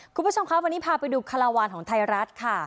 คุณผู้ชมครับวันนี้พาไปดูคาราวานของไทยรัฐค่ะ